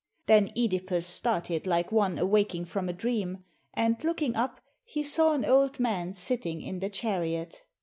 Then CEdipus started like one awaking from a dream, and looking up he saw an old man sitting in the chariot.